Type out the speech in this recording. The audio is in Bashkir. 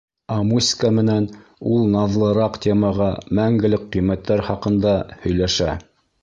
Ә Муська менән ул наҙлыраҡ темаға, мәңгелек ҡиммәттәр хаҡында «һөйләшә».